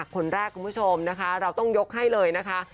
คนแรกคุณผู้ชมนะคะเราต้องยกให้เลยนะคะ